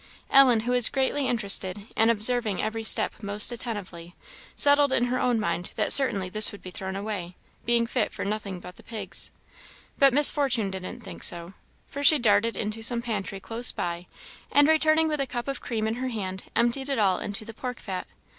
Ellen, who was greatly interested, and observing every step most attentively, settled in her own mind that certainly this would be thrown away, being fit for nothing but the pigs. But Miss Fortune didn't think so, for she darted into some pantry close by, and returning with a cup of cream in her hand, emptied it all into the pork fat.